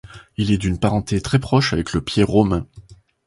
Il est d'une parenté très proche avec le pied romain.